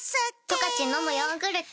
「十勝のむヨーグルト」